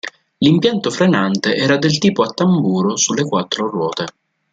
L'impianto frenante era del tipo a tamburo sulle quattro ruote.